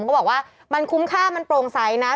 เขาบอกว่ามันคุ้มค่ามันโปร่งใสนะ